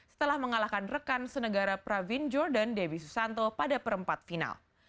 setelah mengalahkan rekan senegara pravin jordan debbie susanto pada perempat final